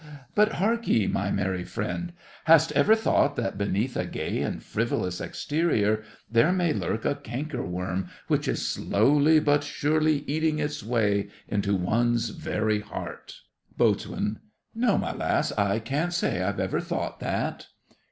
But hark ye, my merry friend—hast ever thought that beneath a gay and frivolous exterior there may lurk a canker worm which is slowly but surely eating its way into one's very heart? BOAT. No, my lass, I can't say I've ever thought that.